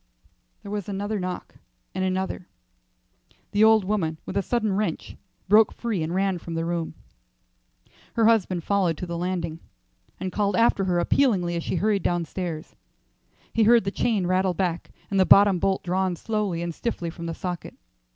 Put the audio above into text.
There was another knock, and another. The old woman with a sudden wrench broke free and ran from the room. Her husband followed to the landing, and called after her appealingly as she hurried downstairs. He heard the chain rattle back and the bottom bolt drawn slowly and stiffly from the socket.